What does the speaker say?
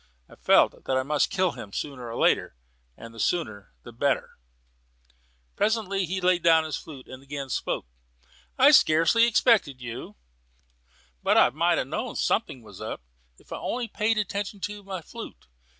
I felt that I must kill him sooner or later, and the sooner the better. Presently he laid down his flute again and spoke: "I scarcely expected you." I grunted something in answer. "But I might have known something was up, if I'd only paid attention to my flute.